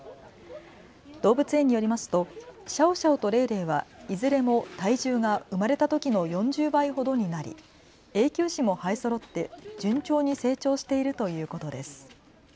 動物園によりますとシャオシャオとレイレイはいずれも体重が生まれたときの４０倍ほどになり永久歯も生えそろって順調に成長しているということです。